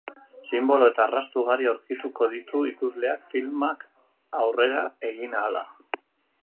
Sinbolo eta arrasto ugari aurkituko ditu ikusleak filmak aurrera egin ahala.